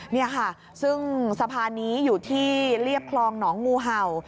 นี่ค่ะซึ่งสะพานนี้อยู่ที่เรียบคลองหนองงูเห่า